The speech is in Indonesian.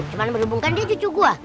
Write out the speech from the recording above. cuman berhubung kan dia cucu gue